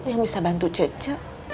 yang bisa bantu cece